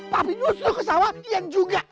papi nyusul ke sawah ian juga